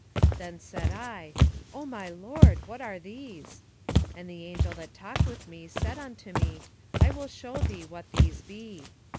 1:9 Then said I, O my lord, what are these? And the angel that talked with me said unto me, I will shew thee what these be.